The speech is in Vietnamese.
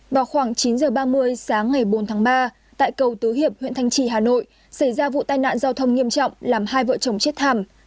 vào khoảng chín h ba mươi sáng ngày bốn tháng ba tại cầu tứ hiệp huyện thanh trì hà nội xảy ra vụ tai nạn giao thông nghiêm trọng làm hai vợ chồng chết thảm